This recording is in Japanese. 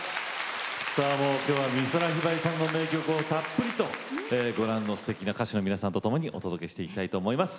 さあもう今日は美空ひばりさんの名曲をたっぷりとご覧のすてきな歌手の皆さんとともにお届けしていきたいと思います。